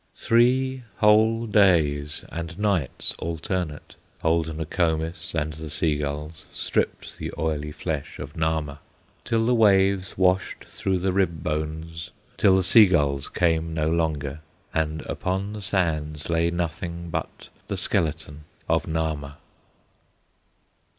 Three whole days and nights alternate Old Nokomis and the sea gulls Stripped the oily flesh of Nahma, Till the waves washed through the rib bones, Till the sea gulls came no longer, And upon the sands lay nothing But the skeleton of Nahma.